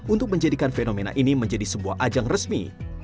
untuk menjadikan fenomena ini menjadi sebuah ajang resmi